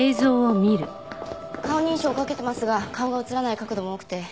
顔認証をかけてますが顔が映らない角度も多くて。